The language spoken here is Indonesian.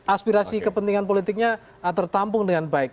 aspirasi kepentingan politiknya tertampung dengan baik